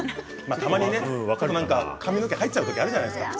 たまに髪の毛が口に入っちゃうことがあるじゃないですか。